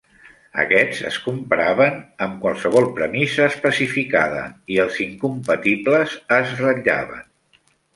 Aquests es comparaven amb qualsevol premissa especificada i els incompatibles es ratllaven.